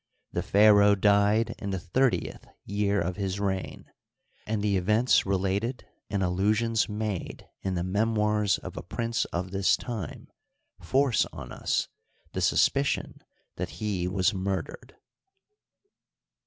The pharaoh died in the thirtieth year of his reign, and the events related and allusions made in the memoirs of a prince of this time force on us the suspicion that he was murdered.